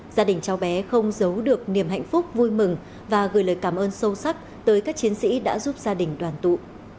gia đình cháu bé không giấu được niềm hạnh phúc vui mừng và gửi lời cảm ơn sâu sắc tới các chiến sĩ đã giúp gia đình đoàn tụ